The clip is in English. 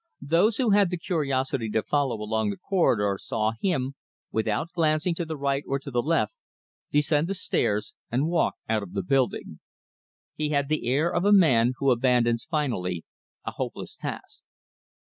Those who had the curiosity to follow along the corridor saw him, without glancing to the right or to the left, descend the stairs and walk out of the building. He had the air of a man who abandons finally a hopeless task.